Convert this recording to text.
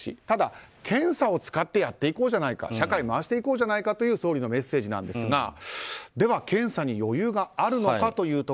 ただ、検査を使ってやっていこうじゃないか社会を回していこうじゃないかという総理のメッセージですがでは検査に余裕があるのか。